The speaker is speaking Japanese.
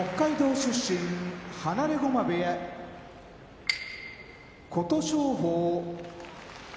出身放駒部屋琴勝峰